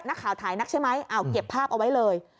นักข่าวถ่ายนักใช่ไหมเอาเก็บภาพเอาไว้เลย